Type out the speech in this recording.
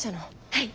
はい。